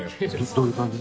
どどういう感じ？